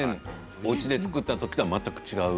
おうちで作ったものとは違う？